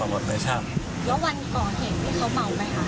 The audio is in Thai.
วันก่อเหคพี่เขาเมามั้ยคะ